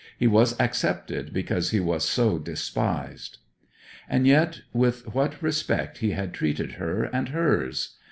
He was accepted because he was so despised. And yet with what respect he had treated her and hers!